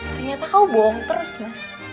ternyata kau bohong terus mas